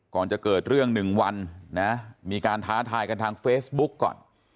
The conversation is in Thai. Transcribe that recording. ก่อนจะเกิดเรื่อง๑วันนะมีการท้าทายกันทางเฟซบุ๊กก่อน